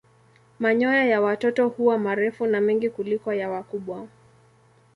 Manyoya ya watoto huwa marefu na mengi kuliko ya wakubwa.